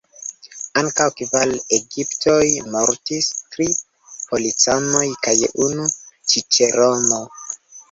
Ankaŭ kvar egiptoj mortis: tri policanoj kaj unu ĉiĉerono.